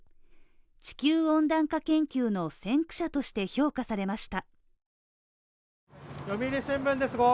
地球温暖化研究の先駆者として評価されました。